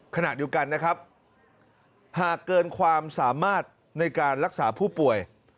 ขณะเดียวกันนะครับหากเกินความสามารถในการรักษาผู้ป่วย